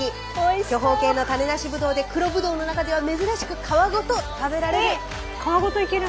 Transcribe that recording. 巨峰系の種なしブドウで黒ブドウの中では珍しく皮ごと食べられる！